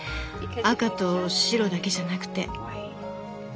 赤と白だけじゃなくて。